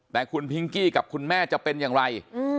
แต่คุณพิงกี้กับคุณแม่จะเป็นอย่างไร